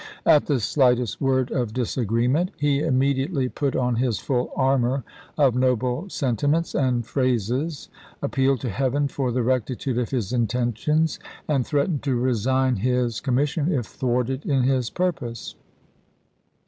At the slightest word of disagreement he immediately put on his full armor of noble sentiments and phrases, appealed to Heaven for the rectitude of his intentions, and threatened to resign his com mission if thwarted in his purpose.